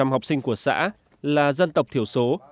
một trăm linh học sinh của xã là dân tộc thiểu số